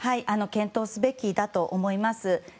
検討すべきだと思います。